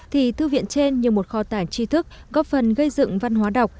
thì thư viện trên như một kho tảng tri thức góp phần gây dựng văn hóa đọc